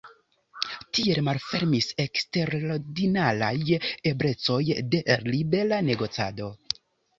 Tiel malfermis eksterordinaraj eblecoj de libera negocado.